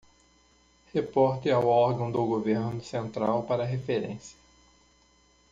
Reporte ao órgão do governo central para referência